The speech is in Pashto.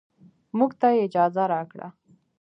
موږ ته يې اجازه راکړه.